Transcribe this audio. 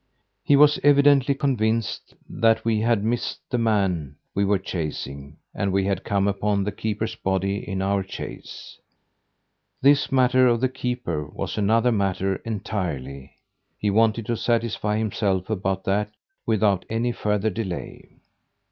He was evidently convinced that we had missed the man we were chasing and we had come upon the keeper's body in our chase. This matter of the keeper was another matter entirely. He wanted to satisfy himself about that without any further delay.